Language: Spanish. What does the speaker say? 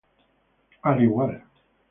Al igual